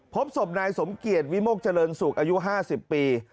พบศพนายสมเกียจวิมกเจริญศุกร์อายุ๕๐ปี